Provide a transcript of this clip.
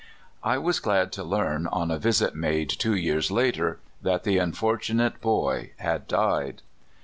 I was glad to learn, on a visit made two years later, that the unfortunate boy had died.